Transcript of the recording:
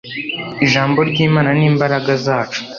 ijambo ry'imana, ni imbaraga zacu